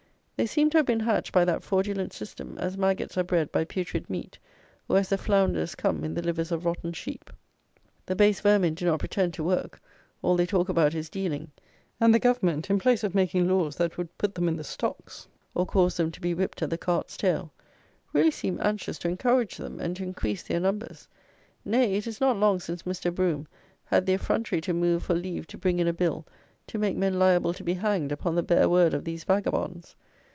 They seem to have been hatched by that fraudulent system, as maggots are bred by putrid meat, or as the flounders come in the livers of rotten sheep. The base vermin do not pretend to work: all they talk about is dealing; and the government, in place of making laws that would put them in the stocks, or cause them to be whipped at the cart's tail, really seem anxious to encourage them and to increase their numbers; nay, it is not long since Mr. Brougham had the effrontery to move for leave to bring in a bill to make men liable to be hanged upon the bare word of these vagabonds.